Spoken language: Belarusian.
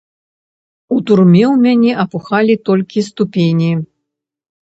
У турме ў мяне апухалі толькі ступені.